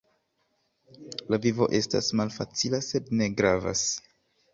La vivo estas malfacila, sed ne gravas.